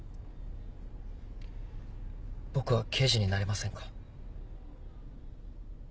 僕は刑事になれませんか？